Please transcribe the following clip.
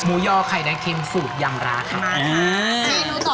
หมูย่อไข่ด้านเค็มสูตรยำลาค่ะ